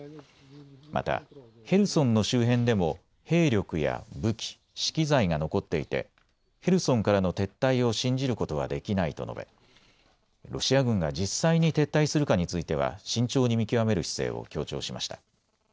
またヘルソンの周辺でも兵力や武器、資機材が残っていて、ヘルソンからの撤退を信じることはできないと述べ、ロシア軍が実際に撤退するかについては慎重に見極める姿勢を強調しました。